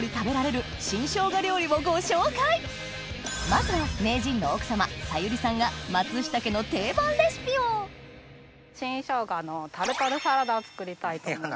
まずは名人のが松下家の定番レシピを新ショウガのタルタルサラダを作りたいと思います。